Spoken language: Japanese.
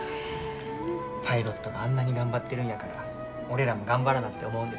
パイロットがあんなに頑張ってるんやから俺らも頑張らなって思うんです。